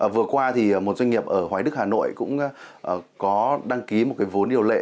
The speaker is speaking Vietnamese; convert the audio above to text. vừa qua một doanh nghiệp ở hoài đức hà nội cũng có đăng ký một vốn điều lệ